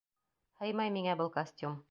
Һыймай миңә был костюм!